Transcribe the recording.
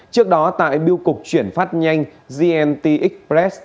trước đó tại biêu cục chuyển phát nhanh gnt express